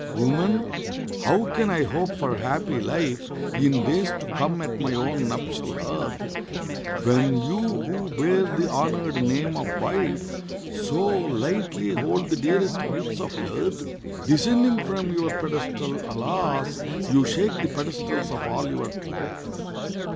Woman, how can I hope for happy life In days to come at my own nuptial hearth, When you who bear the honoured name of wife So lightly hold the dearest gifts of earth? Descending from your pedestal, alas! You shake the pedestals of all your class.